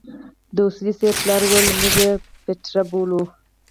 د اصولي صیب پلار وويل موږ يې پتيره بولو.